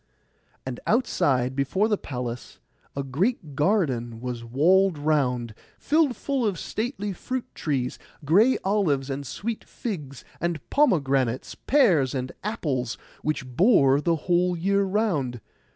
And outside before the palace a great garden was walled round, filled full of stately fruit trees, gray olives and sweet figs, and pomegranates, pears, and apples, which bore the whole year round.